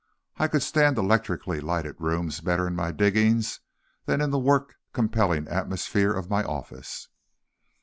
I could stand electrically lighted rooms better in my diggings than in the work compelling atmosphere of my office.